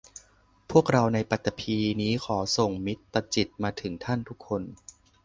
พวกเราในปฐพีนี้ขอส่งมิตรจิตมาถึงท่านทุกคน